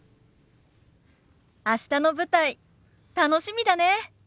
明日の舞台楽しみだね。